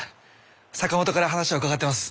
坂本から話は伺ってます。